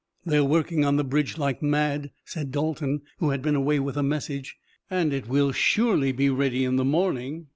"They're working on the bridge like mad," said Dalton, who had been away with a message, "and it will surely be ready in the morning.